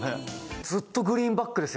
「ずっとグリーンバックで」